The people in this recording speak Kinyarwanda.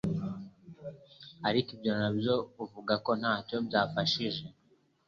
Ariko ibyo nabyo avuga ko ntacyo byafashije.